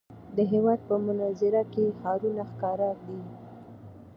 د هېواد په منظره کې ښارونه ښکاره دي.